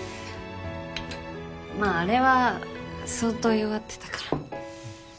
まああれは相当弱ってたから。